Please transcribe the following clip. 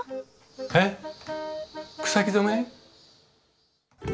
えっ草木染め？